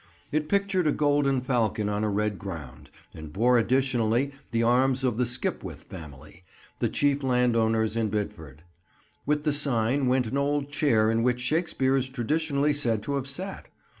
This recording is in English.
It pictured a golden falcon on a red ground, and bore additionally the arms of the Skipwith family, the chief landowners in Bidford. With the sign went an old chair in which Shakespeare is traditionally said to have sat.